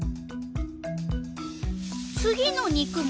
次の肉も。